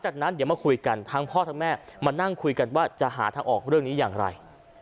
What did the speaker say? จากนั้นเดี๋ยวมาคุยกันทั้งพ่อทั้งแม่มานั่งคุยกันว่าจะหาทางออกเรื่องนี้อย่างไร